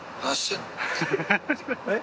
えっ？